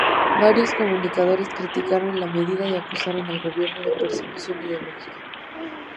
Varios comunicadores criticaron la medida y acusaron al gobierno de "persecución ideológica".